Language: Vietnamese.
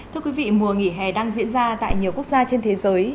thưa quý vị mùa nghỉ hè đang diễn ra tại nhiều quốc gia trên thế giới